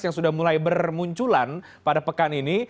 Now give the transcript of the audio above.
yang sudah mulai bermunculan pada pekan ini